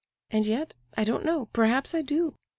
And yet, I don't know—perhaps I do.